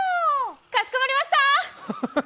かしこまりました！